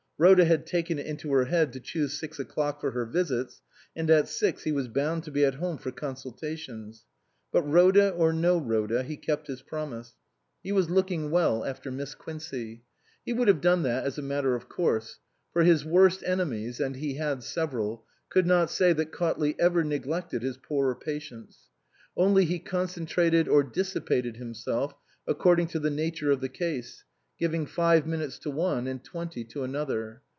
Rhoda had taken it into her head to choose six o'clock for her visits, and at six he was bound to be at home for consultations. But Rhoda or no Rhoda, he kept his promise. He was looking well after 242 HEALEES AND REGENERATOES Miss Quincey. He would have done that as a matter of course ; for his worst enemies and he had several could not say that Cautley ever neglected his poorer patients. Only he concen trated or dissipated himself according to the nature of the case, giving five minutes to one and twenty to another.